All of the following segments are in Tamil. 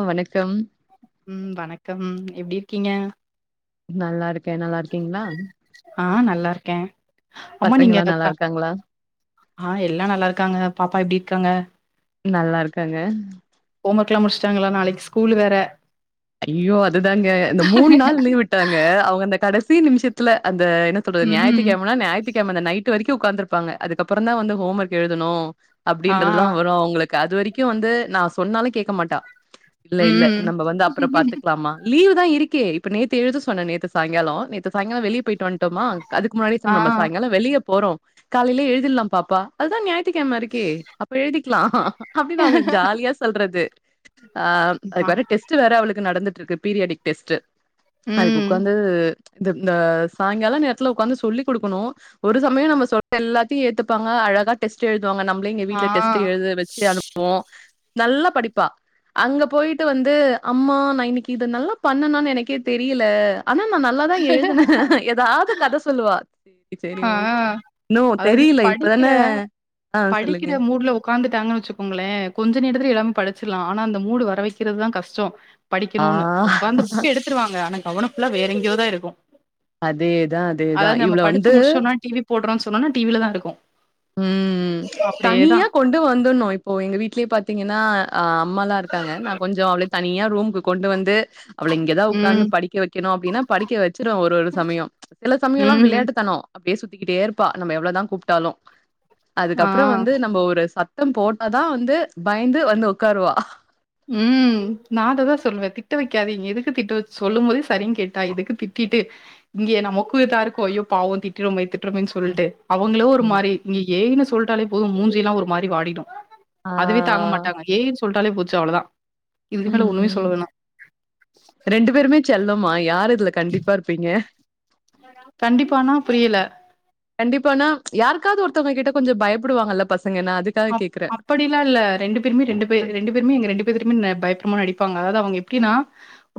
ஆ வணக்கம் ம் வணக்கம் எப்டி இருக்கீங்க நல்லா இருக் ஆ நல்லா இருக்க அம்மா நீங்க பசங்கல்லா நல்லா இருக்காங்களா ஆ எல்லா நல்லா இருக்காங்க பாப்பா எப்டி இருக்காங்க நல்லாருக்காங்க ஹோம் ஒர்க்லா முடிச்ட்டாங்ளா நாளைக் ஸ்கூல் வேற ஐயோ அதுதாங்க இந்த மூண் நாள் லீவு விட்டாங்க அவுங்க அந்த கடைசி நிமிஷத்துல அந்த என்ன சொல்றது ஞாயித்து ம் கிழமனா ஞாயித்து கிழம அந்த நைட்டு வரைக்கு உட்காந்துப்பாங்க அதுக்கப்பறோ தா வந்து ஹோம் ஒர்க் எழுதனு ஆ அப்டின்றதுதா வரு அவுங்களுக்கு அது வரைக்கு வந்து நா சொன்னாலு கேட்க மாட்டா இல்ல இல்ல ம் நம்ம வந்து அப்றோ பன்லாமா லீவ் தா இருக்கே இப்ப நேத்து எழுத சொன்ன நேத்து சாய்ங்காலோ நேத்து சாய்ங்காலோ வெளிய போயிட்டு வன்ட்டோமா அதுக்கு முன்னாடி ஆ சேர் நம்ம சாய்ங்காலோ வெளிய போறோ காலைல எழுதிடலா பாப்பா அதா ஞாயித்துகிழம இருக்கு அப்ப எழுதிக்கலா அப்டின்னு அவுங்க ஜாலியா சொல்றது ஆ ஆ அதுக்கு வேற டெஸ்ட் வேற அவளுக்கு நடந்துட்டு இருக்கு பீரியாடிக் டெஸ்ட்டு அதுக்கு ம் உட்காந்து இந்த இந்த சாய்ங்கால நேரத்துல உக்காந்து சொல்லி குடுக்கணு ஒரு சமயம் நம்ம சொல்ற எல்லாத்தையு ஏத்துப்பாங்க அழகா டெஸ்ட் எழுதுவாங்க நம்ம பிள்ளைங்க ஆ வீட்ல டெஸ்ட்டு எழுத வச்சி அனுப் புவோ நல்லா படிப்பா அங்க போயிட்டு வந்து அம்மா இன்னைக்கி இது நல்லா பண்ணனு எனக்கே தெரியல ஆனா நா நல்லா தா எழுதுன ஏதாவ்து கத சொல்லுவா செரி செரி ஆ ஓக இன்னு அதாவது தெரில இப்பதான படிக்கிற ஆ சொல்லுங்க உட்காந்துட்டாங்கன்னு வச்சுக்கோங்ளே கொஞ்ச நேரத்துல எல்லாமே படிச்சிர்லா ஆனா அந்த மூடு வரவைக்கிறதுதா கஷ்டோ ஆ படிக்கணுன்னு உட்காந்து புக்க எடுத்துருவாங்க ஆனா கவன ஃபுல்லா வேற எங்கியோதா இருக்கு அதேதா அதேதா அதாவது நம்ம இவ்ளோ படிச்சு வந்து முடிச்சோனா டிவி போட்றோன் சொன்னுன்னா டிவில தா இருக்கு ம் அப்டியேதா தனியா கொண்டு வந்துர்ணு இப்போ எங்க வீட்லே பாத்தீங்கன்னா அ அம்மாலா இருக்காங்க நா கொஞ்சோ அவ்ள தனியா ரூம்க்கு கொண்டு வந்து அவள இங்க தா ம் உக்காந்து படிக்க வைக்கணு அப்டின்னா படிக்க வச்சருவ ஒரு ஒரு சமயோ சில சமையோல்லா ம். விளையாட்டுத்தனோ அப்டியே சுத்திக்கிட்டே இருப்பா நம்ம எவ்ளதா கூப்ட்டாலு ஆ. அதுகப்றோ வந்து நம்ம ஒரு சத்தம் போட்டாதா வந்து பயந்து வந்து உக்காருவா ம் நா அத தா சொல்லுவ திட்ட வைக்காதீங்க எதுக்கு திட்ட வச் சொல்லும் போதே சரினு கேட்டா எதுக்கு திட்டிட்டு இங்கே நமக்கு இத இருக்கு ஐயோ பாவு திட்ரோமே திட் ரோமே ம் சொல்ட்டு அவுங்களு ஒரு ம் மாரி நீ ஏன்னு சொல்ட்டாலே போது மூஞ்சி எல்லா ஒரு மாதிரி வாடிடு ஆ அதுவே தாங்க மாட்டாங்க ஏன்னு சொல்லிட்டாலே போச்சு அவ்ளதா இதுக்கு மேல ஒண்ணுமே சொல்ல ம் வேண ரெண்டு பேருமே செல்லமா யாரு இதுல கண்டீப்பா இருப்பீங்க கண்டிப்பானா புரில கண்டிப்பானா யாருக்காவது ஒருத்தவுங்க கிட்ட கொஞ்ச பயப்படுவாங்கல்ல பசங்கன்னா அது அ அப்படி ல இல்ல ரெண்டு பேருமே ரெண்டு பே ரெண்டு பேருமே எங்க ரெண்டு பேத்துட்டுமே பயப்பர மாரி நடிப்பாங்க அதாவது அவுங்க எப்டினா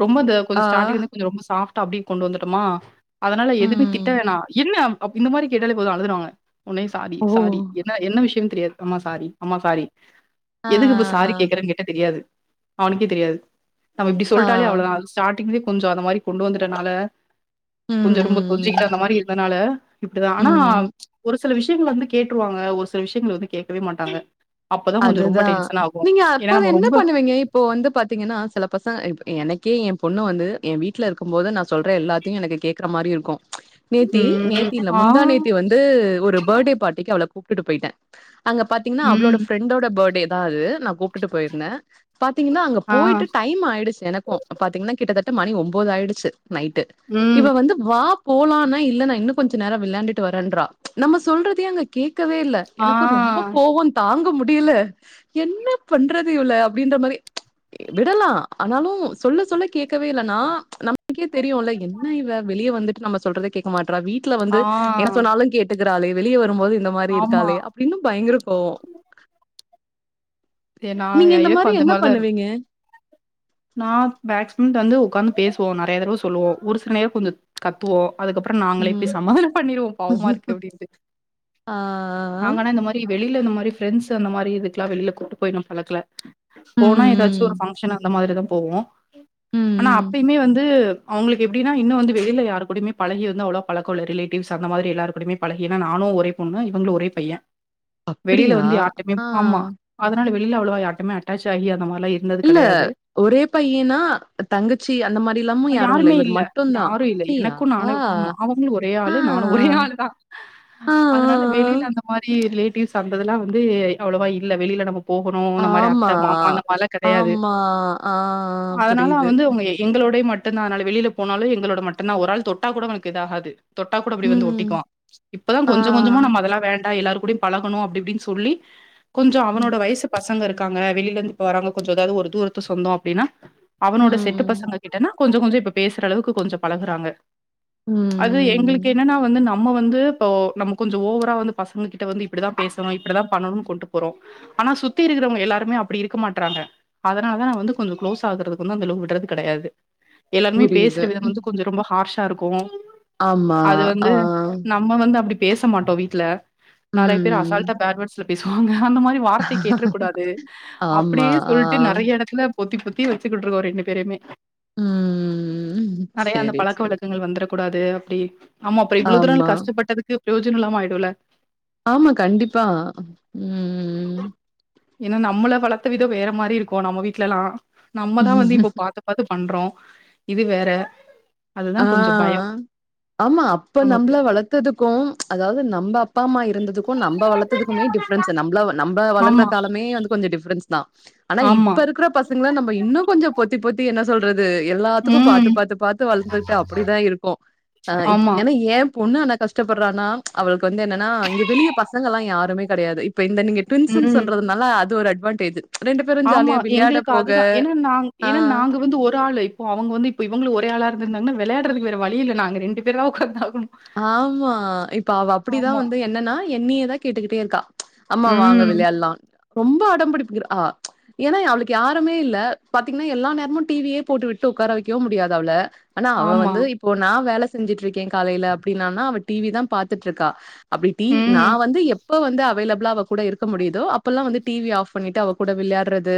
ரொம்ப இந்த கொஞ்ச ஆ ஸ்டார்டிங்ல இருந்து கொஞ்ச ரொம்ப சாஃப் ட்டா அப்டி கொண்டு வந்துட்டோமா அதனால எதுமே திட்ட ம் வேணா என்ன இந்த மாரி கேட்டாலே போது அழுதுருவாங்க உன்னே சாரி ஓ சாரி என்ன என்ன விஷயோ தெரியாது அம்மா சாரி அம்மா சாரி ஆ எதுக்கு இப்ப சாரி கேக்குறன் கேட்ட தெரியாது அவுனுக்கே தெரியாது நம்ம இப்டி ஆ சொல்ட்டாலே அவ்ளோத ஸ்டார்ட்டிங்லே கொஞ்சோ அந்த மாரி கொண்டு வந்துறதுனால கொஞ்ச ம் ரொம்ப கொஞ்சுக்கிட்டு ம் அந்த மாரி இருந்தனால இப்டிதா ஆனா ம் ஒரு சில விஷயங்கள் வந்து கேட்ருவாங்க ஒரு சில விஷயங்கள வந்து கேட்கவே மாட்டாங்க அப்பதா கொஞ்சோ ரொம்ப அதுதா டென்ஷனாகு நீங்க அப்ப ஏன்னா அத நம்ம என்ன ரொம்ப பண்ணுவீங்க இப்போ வந்து பாத்தீங்கனா சில பசங்க எனக்கே என் பொண்ணு வந்து என் வீட்ல இருக்கு போது நா சொல்ற எல்லாத்த யு எனக்கு கேக்குற மாரி இருக்கு நேத்தி ம், நேத்தி இல்ல ஆ, முந்தா நேத்தி வந்து ஒரு பர்த்டே பார்ட்டிக்கு அவள கூப்ட்டுட்டு போய்ட்ட அங்க பாத்தீங்கனா அவளோட ம், ஃப்ரெண்டோட பர்த்டே தா அது நா கூப்ட்டு போயிருந்த பாத்தீங்கனா அங்க ஆ, போய்ட்டு டைம் ஆயிடுச்சு எனக்கு பாத்தீங்கனா கிட்டத்தட்ட மணி ஒன்போது ஆயிடுச்சு நைட்டு ம், இவ வந்து வாப் போலானா இல்ல நா இன்னு கொஞ்சோ நேர விளாண்டுட்டு வரேன்றா நம்ம சொல்றதே அங்க கே கேக்கவே இல்ல எனக்கு ரொம்ப ஆ கோப தாங்க முடி ல்ல என்ன பண்றது இவள அப்டின்ற மாரி விடலா ஆனாலு சொல்ல சொல்ல கேக்கவே இல்லனா நமக்கே தெரியு இல்ல என்ன இவ வெளிய வந்துட்டு நம்ம சொல்றத கேக்க மாட்றா வீட் ல ஆ வந்து என்ன சொன்னாலு கேட்டுக்கிறாலே வெளியே வருபோது இந்த மாரி ஆமா. இருக்காளே அப்டின்னு பயங்கர கோவோ எ நான் நீங்க இந்த எனக்கும் மாரி என்ன பண்ணுவீங்க நா பேக்ஸ்மம் டல்லு உக்காந்து பேசுவோ நெ றயா தடவ சொல்லுவோ ஒரு சில நேர கொஞ்சோ கத்துவோ அதுக்கப்பற நாங்களே ம் போய் சமாதான பண்ணிருவோ பாவமா இருக்கு அப்டிந்து ஆ நாங்கனா இந்த மாரி வெளில இந்த மாரி ஃப்ரெண்ட்ஸ் அந்த மாரி இதுக்லா வெளில கூட்டு போயி இன்னு பழக்கல போனா எதாச்சு ஒரு ம் பங்க்ஷன் அந்த மாரிதா போவோ ம் ஆனா ம் அப்பயுமே வந்து அவங்களுக்கு எப்டின்னா இன்னு வந்து வெளில யாரு கூடயுமே பழகிருந்து அவ்ளோ பழக்கோல்ல ரிலேட்டிவ்ஸ் அந்த மாரி எல்லாரு கூடயுமே பழகினா நானு ஒரே பொண்ணா இவங்களு ஒரே பையே வெளில அப்டியா வந்து யார்ட்டயுமே ஆ ஆமா அதனால வெளில அவ்ளோவா யார்ட்டமே அட்டாச்சாயி அந்த மாரிலா இல்ல ஒரே பையனா தங்கச்சி அந்த மாரி யாருமே இல்ல யாரு இல்ல எனக்கு ஆ நானு அவங்களு ஒரே ஆ ஆளு நானு ஒரே ஆளு தா ஆ அதனால ஆ வெளில அந்த மாரி ரிலேட்டிவ்ஸ் அந்ததுல்லா வந்து அவ்ளோவா இல்ல வெளில நம்ம போகுணு இந்த மாரி ஆமா. அத்த மாமா அந்த மார்ல்லா கெடையாது ஆமா. ஆ அதனால புரியுது. வந்து உங்கயே எங்களோடே மட்டுதா அதனால வெளில போனாலு எங்களோட மட்டுதா ஒரு ஆள் தொட்டா கூட அவனுக்கு இதாகாது தொட்டா கூட அப்டி வந்து ம். ஒட்டிக்வா இப்பதா ஆ. கொஞ்சோ கொஞ்சமா நம்ம அதலா வேண்டா எல்லாரு கூடையு பழகணு அப்டி இப்டின்னு சொல்லி கொஞ்சோ ம். அவனோட வயசு பசங்க இருக் க்கங்க வெளில இருந்து இப்ப வராங்க கொஞ்சோ இதாது ஒரு தூரத்து சொந்தோ அப்டினா அவனோட செட்டு ம். பசங்க கிட்டனா கொஞ்சோ கொஞ்சோ இப்ப பேசுற அளவுக்கு கொஞ்சோ பழகுறாங்க அது எங்களுக்கு ம். என்னனா வந்து நம் நம்ம வந்துப்போ நம்ம கொஞ்சோ ஓவரா வந்து பசங்க கிட்ட வந்து இப்டிதா பேசணு இப்டிதா பண்ணணுன் கொண்ட்டு போறோ ஆனா சுத்தி இருக்கிறவங்க எல்லாருமே அப்டி இருக்க மாட்றாங்க நா வந்து கொஞ்சோ க்ளோஸ் ஆகுறதுக்கு வந்து அந்தளவுக் விடுறது கெடையாது எல்லாருமே புரியுது. பேசுறவிதோ ம். வந்து கொஞ்சோ ரொம்ப ஹார்ஷா இருக்கு ஆமா. அது வந்து ஆ. நம் நம்ம வந்து அப்படி பேச மாட்டோ வீட்ல நெறய பேரு ம். அசால்டா பேட் வேர்ட்ஸ்ல பேசுவாங்க அந்த மாரி வார்த்தை கேட்ற கூடாது ஆமா. அப்டியே ஆ. சொல்ட்டு நெறை நெடச்சுல பொத்தி பொத்தி வச்சுக்கிட்ருக்கோ ரெண்டு பேரயுமே ம். நெறய அந்த சரி, பழக்க சரி. வழக்கங்கள் வந்தரகூடாது அப்டி ஆமா இப்றோ இவ்ளோ தூரோ ஆமா. வந்து கஷ்டப்பட்டதுக்கு பிரயோஜனோ இல்லாம ஆயிடுல ஆமா கண்டிப்பா ம் ஏன்னா நம்மள வளர்த்த விதோ வேற மாரி இருக்கு நம்ம வீட்லல்லா நம்மதா வந்து இப்ப பாத்து பாத்து பண்றோ இது வேற அதுதா கொஞ்சோ ஆ. பயோ ஆமா அப்ப நம்ள வளத்ததுக்கும் அதாவது நம்ப அப்பா அம்மா இருந்ததுக்கு நம்ப வளத்ததுக்குமே டிஃப் ஃப்ரென்ஸ் நம்ல நம்ம வளந்த ஆமா, காலமே அந்து கொஞ்சோ டிஃப்ரன்ஸ்தா ஆனா ஆமா. இப்ப இருக்ற பசங்ள நம்ப இன்னு கொஞ்சோ பொத்தி பொத் த்தி என்ன சொல்றது எல்லாத்துக்கு ம். பாத்து பாத்து பாத்து வளத்து ட்டு அப்டிதா இருக்கு ஆ இப் ஆமா. எனா ஏம் பொண்ணு ஆனா கஷ் ஷ்டப்பறானா அவளுக்கு வந்து என்னனா இங்க வெளிய பசங்களா யாருமே கெடையாது இப்ப இந்த நீங்க ட்வின்ஸ்சுன் ம். சொல்றது நல்லா அது ஒரு அட்வான்டேஜூ ஆமா எங்ளுக்கு அதுதா எனா நாங் எனா ஆ. நாங்க வந்து ஒரு ஆளு இப் ப்போ அவுங்க வந்து இப்ப இவங்ளு ஒரே ஆளா இருந்திருந்தாங்னா வெளயாட்றதுக்கு வேற வழி இல்ல நாங்க ரெண்டு பேருதா உக்காந்தாகணு ஆமா இப்ப அவ அப்டிதா வந்து என்னனா என்னியேதா கேட்டுகிட்டே இருக்கா அம்மா வாங்க ம். விளையால்லா ரொம்ப அடம் பிடிப்புகிர் ஆ எனா அவுளுக்கு யாருமே இல்ல பாத்தீங்னா எல்லா நேரமு டி வியே போட்டு விட்டு உக்கார வெக்கவும் முடியாது அவ்ள ஆனா அவ ஆமா. வந்து இப்போ நா வேல செஞ்சுட்ருக்கே காலைல அப்டினானா அவ டி வி தாம் பாத்துட்ருக்கா அப்டி டி வி நா ம். வந்து எப் இப்ப வந்து அவைலெபுளா அவக் கூட இருக்க முடியிதோ அப்ப எல்லா வந்து டி வி ஆஃப் பண்ணிட்டு அவக் கூட விளையாட்றது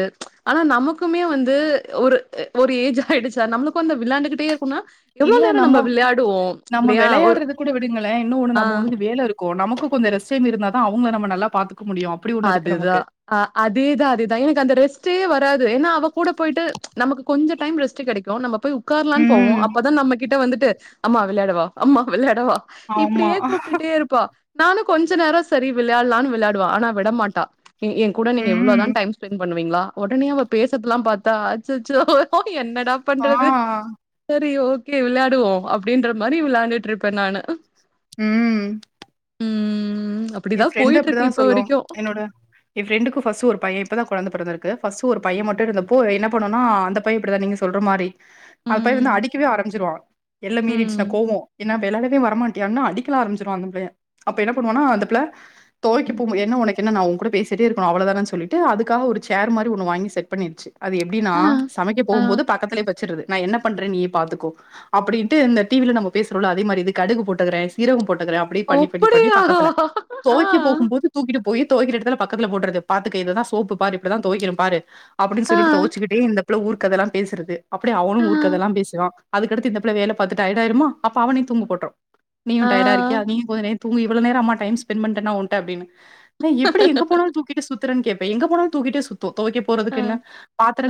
ஆனா நமக்குமே வந்து ஒரு ஒரு ஏஜ் ஆயிடுச்சா நம்ளுக்கு அந்த விளாண்டுகிட்டே இருக்குனா எவ்ளோ நேரோ நம்ம விளையாடுவோ நம்ம இல்லையா ஒரு விளையாடுறது கூட விடுங்களே இன்னோ ஒன்னு ஆ. நம்மோ வந்து இந்த வேல இருக்கு நமக்கு கொஞ்சோ ரெச்சேம் இருந்தாதா அவுங்ள நம்ம நல்லா பாத்துக்க முடியு அதுதா ஆ அதேதா அதேதா எனக்கு அந்த ரெஸ்ட்டே வராது எனா அவக் கூட போயிட்டு நமக்கு கொஞ்சோ டைம் ரெஸ்ட்டு கெடைக்கு நம்ம போய் உக்கார்லான் போவோ ம். அப்பதா நம்ம கிட்ட வந்துட்டு அம்மா விளையாடவா அம்மா விளயாடவா ஆமா இப்டியே கூப்டுட்டே இருப் ப்பா நானு கொஞ்ச நேரோ சரி விளையால்லானு விளையாடுவா ஆனா விடமாட்டா எ ஏங் கூட நீங்க ம் இவ்ளோதா டைம் ஸ்பெண்ட் பண்ணுவீங்ளா ஒடனே அவப் பேசறத்லாம் பாத்தா அச்சச்சோ என்னடாப் ஆ பண்றது சரி ஓகே விளையாடுவோ அப்டின்ற மாரி விளயாண்டுட்ருப்பே நானு ம் ம். எ அப்படிதான் ஃபிரெண்டு போயிட்டு இருக்கு அப்டிதா இப்ப சொல்லோம் வரைக்கும். என்னோட எ ஃப்ரெண்டுக்கு ஃபஸ்சு ஒரு பையே இப்பதா கொழந்த பெறந்துருக்கு ஃபர்ஸ்ட்டு ஒரு பையே மட்டு இருந்தோப்போ என்னப் பண்ணுனா அந்தப் பையே இப்டிதா நீங்க சொல்ற மாரி அந்த பைய ம். வந்து அடிக்கவே ஆரம்பிச்சிருவா எல்ல மீறிடுச்னா ம். கோவோ என்ன வெளையாடவே வரமாட்டியான்னு அடிக்கலா ஆரம்பிச்சிருவா அந்த புளைய அப்ப என்னாப் பன்ணுவானா அந்தப் ப்ள தொவைக்க போம்போ என்ன உனக்கு என்ன நா ஊங்கூட பேசிட்டே இருக்கனு அவ்ளதானன் சொல்லிட்டு அதுக்காக ஒரு சேர் மாரி ஒன்னு வாங்கி செட் பண்ணிருச்சு அது எப்டினா சமைக்கப் போகும்போது பக்கத்துலியேப் பச்சிட்றது நா என்ன பண்றே நீயேப் பாத்துக்கோ அப்டின்ட்டு இந்த டி வில நம்ம பேசுறோல அதே மாரி இது கடுகு போட்டுக்கறே சீரகோ போட்டுக்கறே அப் அப்டி பண்ணி பண்ணி பண்ணி அப்படியா? பக்கத்துல ஆ, தொவைக்கப் போகும்போது தூக்கிட்டுபோயி தொவைக்கிற எடத்துல பக்கத்துல போட்டர்றது பாத்துக்க இதுதா சோப்பு பாரு இப்டிதா தொவைக்கணும் பாரு அப்பிடின் ஆ, சொல்லிட்டு தொவச்சிகிட்டே இந்தப் புள ஊர் கதலாம் பேசறது அப்டியே ஆ, அவனும் ஊர்க்கதலாம் பேசுவா அதுக்கடுத்து இந்தபுள வேல பாத்து டயடாயிருமா அப்ப அவனையுந் தூங்க போட்ரு நீயு ஆ. டயடா இருக்கியா நீயு கொஞ்ச நேரந் தூங்கி இவ்ளா நேரோ அம்மா டைம் ஸ்பெண்ட் பண்ட்டனா ஊன்ட்ட அப்டினு ஏ எப்டி எங்க போனாலு தூக்கிட்டு சுத்தறன் கேப்பே எங்க போனாலு தூக்கிட்டு சுத்து தொவைக்கப் ஆ, போறதுக்கு என்ன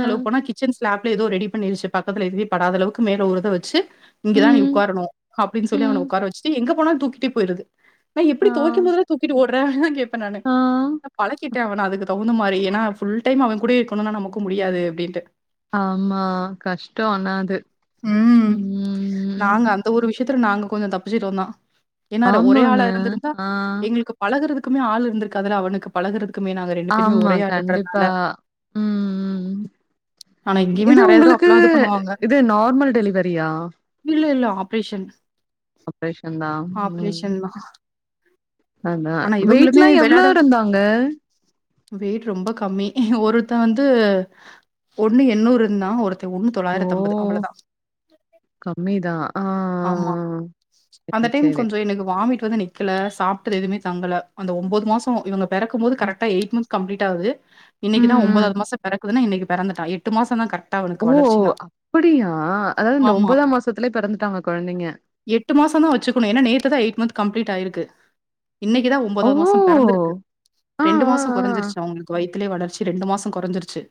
ஆ. போனா கிச் ச்சன் ஸ்லாப்ல எதோ ரெடி பண்ணிருச்சு பக்கத்துல எதுவுமே படாத அளவுக்கு மேல ஒரு இத வச்சு இங்கதா நீ ம், உக்காரணு அப்டின் சொல்லி அவன ம். உக்கார வச்சிட்டு எங்கப் போனாலு தூக்கிட்டே போயிருது நா எப் ஆ, தொவைக்கிம் போதெல்லா தூக்கிட்டு ஓட்ற கேப்பே நானு ஆ. பழக்கிட்டே அவன அதுக்கு தகுந்த மாரி எனா ஃபுல்டைம் அவங் கூடியே இக்கணுனா நமக்கு முடியாது அப்டின்ட்டு ஆமா கஷ்டோ அன்னாது உம் நாங்க அந்த ஒரு விஷயத்துல நாங்க கொஞ்சோ தப்பிச்ட்டு ருந்தோ என்னட ஒரே ஆமாங்க. ஆளா இருந்திருந்தா ஆ. எங்களுக்கு பழகுறதுக்குமே ஆள் இருந்திருக்காதுல அவனுக்கு பழகறதுக்குமே நாங்க பேருமே ஆமா ஒரே ஆளுன்றனால. கண்டிப்பா உம் ஆனா இங்கயுமே இது நெறைய தடவ உங்களுக்கு அப்பல்லா இது பண்ணுவாங்க இது நார்மல் டெலிவரியா இல்ல இல்ல ஆப்ரேஷன் ஆப்ரேஷன் ஆப்ரேஷன்தா ஆனா வெயிட் லாம் எவ்ளோருந்தாங்க வெயிட் ரொம்ப கம்மி ஒருத்தே வந்து ஒண்ணு எண்ணூறுருந்தா ஒருத் ஒண்ணு ஓ! தொள்ளாயிரத்துஅம்பது அவ்ளோதா அவ்வளதான் கம்மி தா ஆமா அந்த டைம் சரி. கொஞ்சோ எனக்கு வாமிட் இப்பத நிக்கல சாப்டது எதுவுமே தங்கல அந்த ஒன்பது மாசோ இவ்ங்க பெறக்கும் போது கரெக்டா எய்ட் மந்த்ஸ் கம்ப்ளீட் ஆகுது ம், இன்னக்கிதா ம். ஒன்பதாவது மாசம் பிறக்குதுன்னா இன்னைக்கு பிறந்துட்டான் எட்டு மாசம் தா கரெக்டா அவனுக்கு வளர்ச்சின்னா அப்டியா அதாவது இந்த ஒன்பதாம் மாசத்துலேயே பிறந்துட்டாங்க கொழந்தைங்க எட்டு மாசோந்தா வச்சுணும் ஏன்னா நேத்து தான் எய்ட் மந்த் கம்ப்ளீட் ஆயிருக்கு இன்னைக்குதான் ஓ! ஒன்பதாவது மாசம் பெறந்திருக்கு ஆ, ரெண்டு ஆ, மாசம் ஆ. கொறஞ்சிருச்சு அவங்களுக்கு வயத்தலேயே வளர்ச்சி ரெண்டு மாசம் கொறஞ்சிருச்சு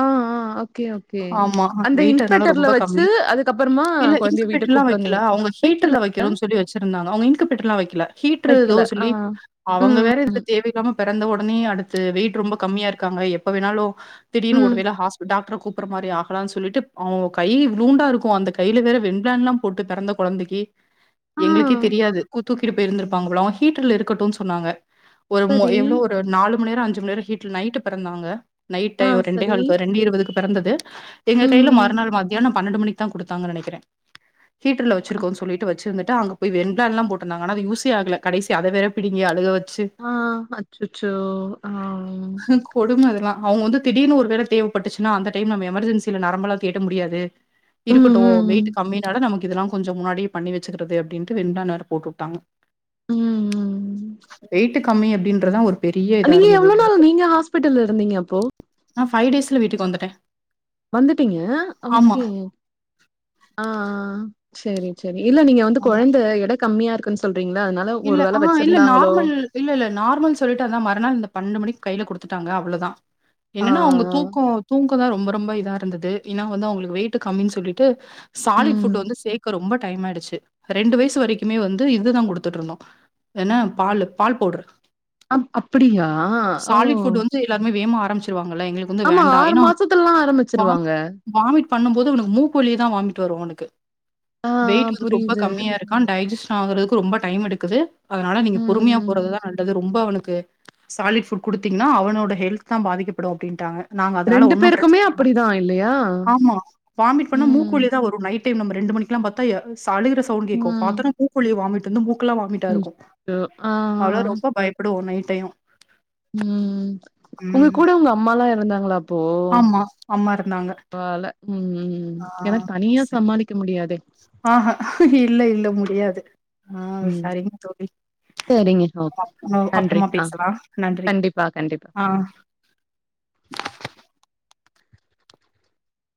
ஆ, ஆ. Okay, okay. ஆமா அந்த வெயிட்டுனால இன்குபேட்டர்ல ரொம்ப வச்சு, அதுக்கப்புறமா இல்ல குழந்தைய இங்குபேட்டர்ல வீட்டுக்கு எல்லா கூப்ட்டு வெக்கல வந்தீங்க. அவு‌ங்க வைக்கல, ஹீட்டர்ல வக்கணும்னு சொல்லி வச்சிருந்தாங்க அவங்க இங்கிபெட்டர்லலா எல்லாம் வைக்கல ஹீ்ட்டரு ஏதோ வைக்கல. ஆ. சொல்லி அவங்க ம், வேற இதுல தேவையில்லாம பிறந்த உடனே அடுத்து வெயிட் ரொம்ப கம்மியா இருக்காங்க எப்ப வேணாலும் திடீனு ம். ஒருவேள ஹாஸ் டாக்டர கூப்டற மாதிரி ஆகலானு சொல்லிட்டு அவ் கை இவ்லூண்டா இருக்கும் அந்த கையில வேற வெண்பிளான் எல்லாம் போட்டு பெறந்த கொழந்தைக்கு ஆ. எங்களுக்கே தெரியாது தூக்கிட்டு போய் இருந்திருப்பாங்க போல அவே ஹீட்டர்ல இருக்கட்டுன்னு சொன்னாங்க ஒரு மோ சரி. எவ்ளோ ஒரு ஒரு நாலு மண்நேரம் அஞ்சு மண் நேரோ ஹீ்ட்டர் நைட்டு பெறந்தாங்க நைட்டு ஆ, ஒரு ரெண்டே சரி. கால் ரெண்டு இருபதுக்கு பெறந்தது எங்க கையில ம். மறுநாள் மத் தியானோ பண்ணென்டு மணிக்கு தா கொடுத்தாங்க நெனக்கிறே ஹீட்டர்ல வச்சிருக்கோன்னு சொல்லிட்டு வச்சருந்துட்டு அங்கபோய் வெண்ப்ளான்லா போட்ருந்தாங்க அதலா யூஸே ஆகல கடைசி அத வேற பிடிங்கி அழுக வச்சு ஆ அச்சச்சோ ஆ கொடும அதெல்லா அவுங்க வந்து திடீன்னு ஒரு வேள தேவப்பட்டுச்சுன்னா அந்த டைம நம்ம எமர்ஜென்சியில நரம்பெலா தேட்ட முடியாது ம், இருக்கட்டு ம், வெயிட் ம். கம்மினால நமக்கு இதெல்லா கொஞ்சோ முன்னாடியே பண்ணி வச்சுக்கிறது அப்டின்ட்டு வெண்ஃப்ளானு வேற போட்டு வுட்டாங்க ம், ம். வெயிட்டு் கம்மி அப்டின்றதா ஒரு பெரிய இதா நீங்க இருந்தது எவ்ளோ எங்களுக்கு. நாள் நீங்க ஹாஸ்பிட்டல் இருந்தீங்க அப்போ நா ஃபை டேஸுல் வீட்டு வந்துட்டே வந்துட்டீங்க ஓக்கே ஆ செர்ரி செர்ரி இல்ல நீங்க வந்து ஆமா. கொழந்த இட கம்மியா இருக்குன்னு சொல்றீங்களா அதனால ஒரு இல்ல வேள ஆ இல்ல வச்சிருந்தாங்களோ நார்மல் இல்ல இல்ல நார்மல் சொல்லிட்டு அந்த மறுநாள் இந்த பன்னெண்டு மணிக்கு கையில குடுத்துட்டாங்க அவ்ளோதா ஆ என்னன்னா அவ்ங்க தூக்கம் தூக்கந் தா ரொம்ப ரொம்ப இதா இருந்தது ஏன்னா வந்து அவ்ங்களுக்கு வெயிட் கம்மின்னு சொல்லிட்டு ஆ சாலிட் ம் புட் வந்து சேர்க்க ரொம்ப டைம் ஆயிச்சு ரெண்டு வயசு வரைமே வந்து இதுதான் கொடுத்த ட்டு இருந்தோம் என்னா பாலு பால் பவுடர் ஆ அப்படியா ஓ சாலிட் ஃபுட் வந்து எல்லாருமே வேம்மா ஆரம்பிச்சிருவாங்களஎங்களுக்கு ஆமா ஆறு மாசத்துலல்லா ஆரம்பிச்சிருவாங்க வாமிட் பண்ணும் போது இவ்னுக்கு மூக்கு வழியே தா வாமிட் வரு இவுனுக்கு ஆ வெயிட் வந்து ரொம்ப புரியுது கம்மியாருக்கு கான் டைஜிசன் ஆகுறக்கு ரொம்ப டைம் எடுக்குது அதனால நீங்க ம் பொறுமையா ம் போறதுதா நல்லது ரொம்போ அவனுக்கு சாலிட் ஃபுட் குடுத்திங்னா அவனோட ஹெல்த் தா பாதிக்கப்படு அப்டின்ட்டாங்க நாங்க அதனால ரெண்டு ஒன்னு பேருக்குமே பிரச்சன இல்ல அப்படிதா இல்லையா ஆமா வாமிட் பண்ண ம் மூக்கு வழியா தா வரு நைட் டைம் நம்ம ரெண்டு மணிக்கெல்லா பாத் தா சழுகிற சவுண்ட் கேக்கு ம் பாத்தோனே மூக் வழியா வாமிட் வந்து மூக்கலா வா மிட்டா இருக்கு அச்சச்சோ ஆ ஆ அவ்ளா ரொம்ப பயப்படுவோ நைட் டயோ ம் உங்க கூட உங்கம்மாலா இருந்தாங்ளா அப் போ ஆமா அம்மா இருந்தாங்க வேல ம் எனக் தனியா சரி சாமளி க்க முடியாதே அ ஆ இல்ல இல்ல முடியாது ஆ ம் சரிங் தோழி சரிங்க ஓகே [inaudible] நன்றி அப்றமா ஆ பேசலா நன்றி கண்டிப்பா கண்டிப்பா ஆ